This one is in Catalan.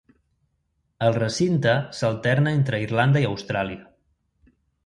El recinte s'alterna entre Irlanda i Austràlia.